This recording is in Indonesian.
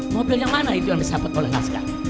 mobil yang mana itu yang disabot oleh raskan